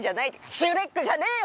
シュレックじゃねえよ！